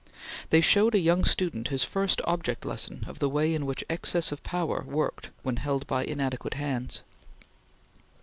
They showed a young student his first object lesson of the way in which excess of power worked when held by inadequate hands.